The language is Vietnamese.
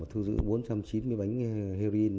thu giữ bốn trăm chín mươi bảy heroin